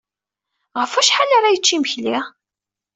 Ɣef wacḥal ara yečč imekli?